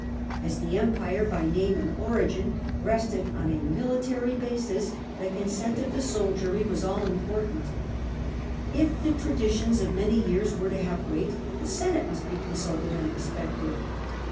As the Empire by name and Consent of origin rested on a military basis the consent of the soldicry was all important. If the unt. traditions of many years were to have weight, the Senate must be consulted and respected.